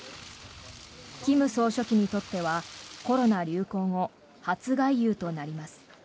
金総書記にとってはコロナ流行後初外遊となります。